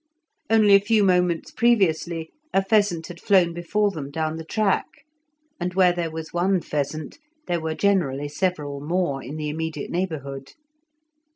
Only a few moments previously a pheasant had flown before them down the track, and where there was one pheasant there were generally several more in the immediate neighbourhood.